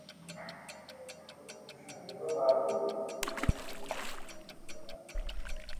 He remained in the same condition till his soul departed from his body.